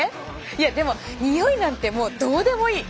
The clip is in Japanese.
いやでもにおいなんてどうでもいい。